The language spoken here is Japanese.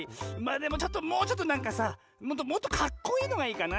でももうちょっとなんかさもっとカッコいいのがいいかな。